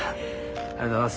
ありがとうございます。